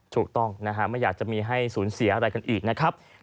ถูกต้องนะฮะไม่อยากจะมีให้สูญเสียอะไรกันอีกนะครับ